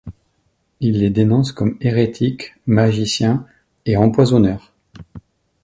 Il les dénonce comme hérétiques, magiciens, et empoisonneurs.